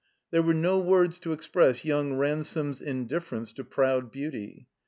There were no words to express yotmg Ransome's indiflEerence to proud beauty.